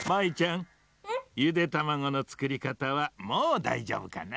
ん？ゆでたまごのつくりかたはもうだいじょうぶかな？